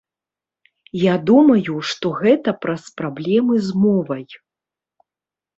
Я думаю, што гэта праз праблемы з мовай.